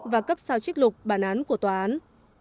và cấp sao trích lục bản án của tòa án